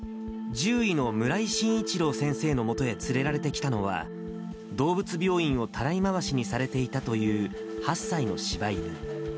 獣医の村井信一郎先生のもとへ連れられてきたのは、どうぶつ病院をたらい回しにされていたという８歳のしば犬。